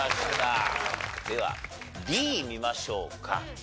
ではＤ見ましょうか。